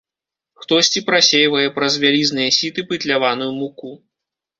Хтосьці прасейвае праз вялізныя сіты пытляваную муку.